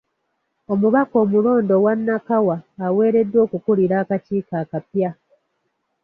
Omubaka omulonde owa Nakawa aweereddwa okukulira akakiiko akapya.